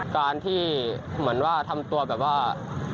การที่เหมือนว่าทำตัวแบบว่า